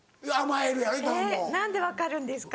えっ何で分かるんですか？